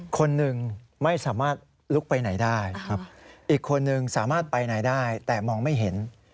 คนหนึ่งไม่สามารถลุกไปไหนได้ครับอีกคนนึงสามารถไปไหนได้แต่มองไม่เห็น